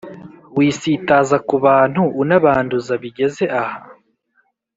wisitaza kubantu unabanduza bigeze aha?